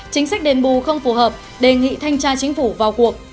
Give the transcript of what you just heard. chính sách đền bù không phù hợp đề nghị thanh tra chính phủ vào cuộc